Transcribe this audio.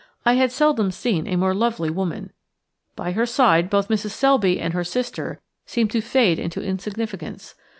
I had seldom seen a more lovely woman. By her side both Mrs. Selby and her sister seemed to fade into insignificance.